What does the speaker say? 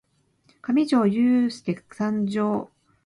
かみじょーゆーすーけ参上！